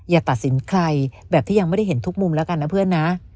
อย่าตัดสินใครแบบที่ยังไม่ได้เห็นทุกมุมแล้วกันนะเพื่อนนะ